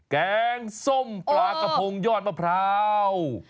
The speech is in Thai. แกงส้มปลากระพงยอดมะพร้าว